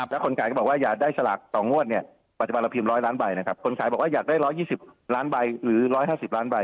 แล้วคนขายก็บอกว่าอยากได้สลาก๒งวดเนี่ยปัจจุบันเราพิมพ์๑๐๐ล้านใบนะครับคนขายบอกว่าอยากได้๑๒๐ล้านใบหรือ๑๕๐ล้านใบ